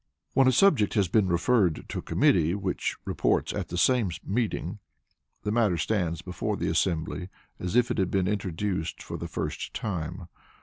When a subject has been referred to a committee which reports at the same meeting, the matter stands before the assembly as if it had been introduced for the first time.